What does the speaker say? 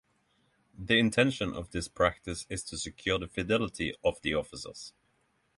The intention of this practice is to secure the fidelity of the officers.